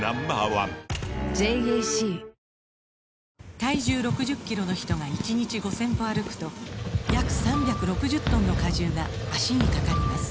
体重６０キロの人が１日５０００歩歩くと約３６０トンの荷重が脚にかかります